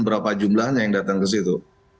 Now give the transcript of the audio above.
berapa jumlahnya yang datang ke situ